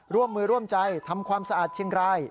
ร่วมมือร่วมใจทำความสะอาดเชียงราย